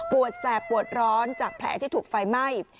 แสบปวดร้อนจากแผลที่ถูกไฟไหม้